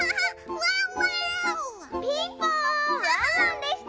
ワンワンでした！